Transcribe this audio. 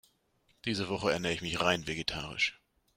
Diese Woche ernähre ich mich rein vegetarisch.